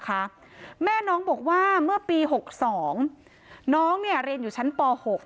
นะคะแม่น้องบอกว่าเมื่อปี๖๒น้องเนี่ยเรนอยู่ชั้นป๖